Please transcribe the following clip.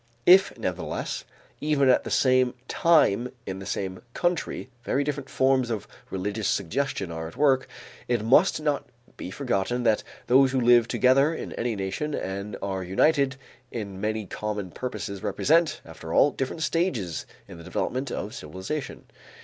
If nevertheless, even at the same time in the same country, very different forms of religious suggestion are at work, it must not be forgotten that those who live together in any nation and are united in many common purposes represent, after all, different stages in the development of civilization.